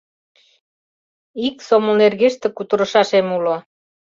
Ик сомыл нергеште кутырышашем уло».